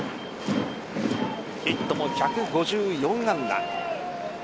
ヒットも１５４安打。